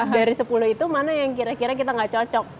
dari sepuluh itu mana yang kira kira kita nggak cocok